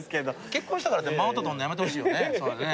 結婚したからってマウントとるのやめてほしいよねそれね。